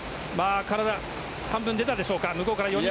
体半分出たでしょうか。